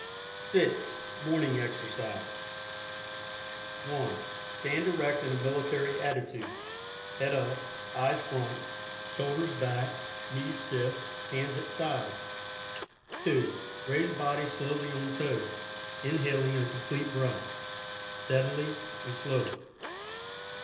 (6) MORNING EXERCISE. (1) Stand erect in a military attitude, head up, eyes front, shoulders back, knees stiff, hands at sides. (2) Raise body slowly on toes, inhaling a Complete Breath, steadily and slowly.